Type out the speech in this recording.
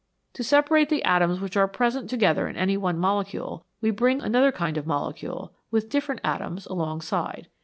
To separate the atoms which are present together in any one molecule, we bring another kind of molecule, with different atoms, alongside.